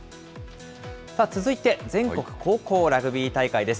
さあ、続いて、全国高校ラグビー大会です。